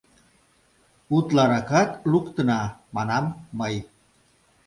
— Утларакат луктына, — манам мый.